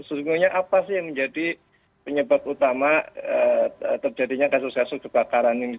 sesungguhnya apa sih yang menjadi penyebab utama terjadinya kasus kasus kebakaran ini